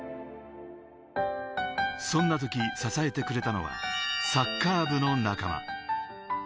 そんなとき支えてくれたのは、サッカー部の仲間。